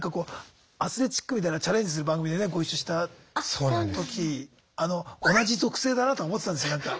アスレチックみたいなチャレンジする番組でねご一緒した時同じ属性でいいんですか？